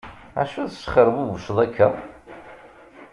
Acu tesxerbubuceḍ akka?